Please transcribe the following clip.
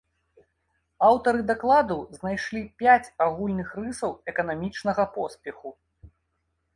Аўтары дакладу знайшлі пяць агульных рысаў эканамічнага поспеху.